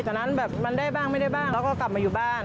ตอนนั้นแบบมันได้บ้างไม่ได้บ้างแล้วก็กลับมาอยู่บ้าน